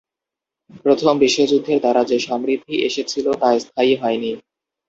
প্রথম বিশ্বযুদ্ধের দ্বারা যে সমৃদ্ধি এসেছিল তা স্থায়ী হয়নি।